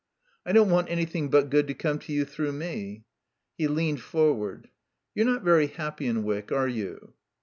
"I don't want anything but good to come to you through me" He leaned forward. "You're not very happy in Wyck, are you?"